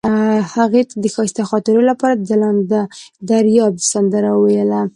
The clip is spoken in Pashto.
هغې د ښایسته خاطرو لپاره د ځلانده دریاب سندره ویله.